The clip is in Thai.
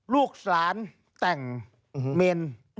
ลูกสาวนั้นแต่งเมน